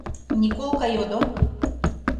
— Николка йодо.